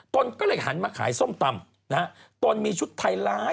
ตนก็เลยหันมาขายส้มตำนะฮะตนมีชุดไทยร้าย